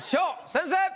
先生！